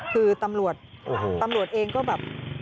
คือตำรวจเองก็แบบ